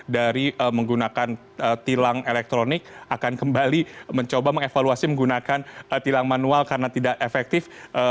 dari menggunakan tilang elektronik akan kembali mencoba mengevaluasi menggunakan tilang manual karena tidak efektif